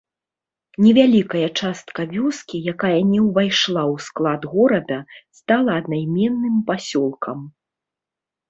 Невялікая частка вёскі, якая не ўвайшла ў склад горада, стала аднайменным пасёлкам.